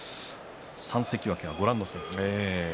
３関脇はご覧の成績です。